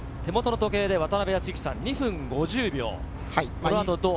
手元の時計で渡辺康幸さん、２分５０秒。